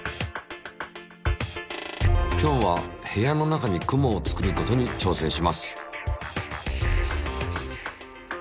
今日は部屋の中に雲を作ることに挑戦します。